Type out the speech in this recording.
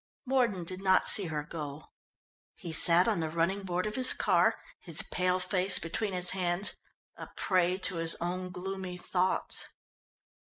Mordon did not see her go. He sat on the running board of his car, his pale face between his hands, a prey to his own gloomy thoughts.